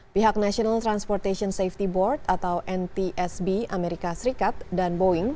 pihak national transportation safety board atau ntsb amerika serikat dan boeing